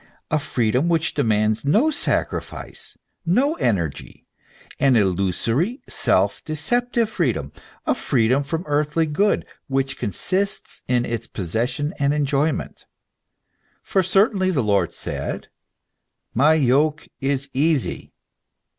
a freedom which demands no sacrifice, no energy, an illusory, self deceptive freedom ; a freedom from earthly good, which con sists in its possession and enjoyment ! For certainly the Lord said, " My yoke is easy."